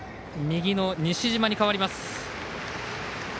右の西嶋に代わります。